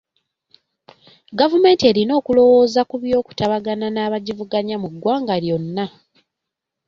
Gavumenti erina okulowooza ku by'okutabagana n'abagivuganya mu ggwanga lyonna.